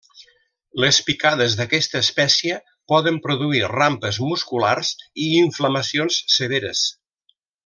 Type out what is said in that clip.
Les picades d'aquesta espècie poden produir rampes musculars i inflamacions severes.